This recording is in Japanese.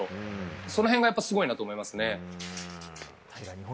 その辺がすごいなと思いますね。